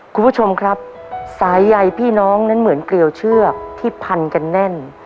คุณผู้ชมครับสายใยพี่น้องนั้นเหมือนเกลียวเชือกที่พันกันแน่น